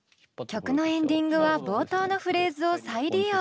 曲のエンディングは冒頭のフレーズを再利用。